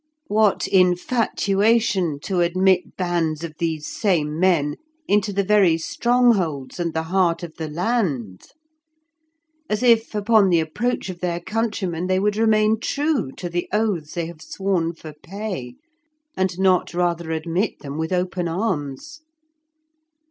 What infatuation to admit bands of these same men into the very strongholds and the heart of the land! As if upon the approach of their countrymen they would remain true to the oaths they have sworn for pay, and not rather admit them with open arms.